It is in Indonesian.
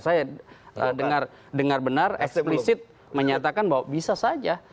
saya dengar benar eksplisit menyatakan bahwa bisa saja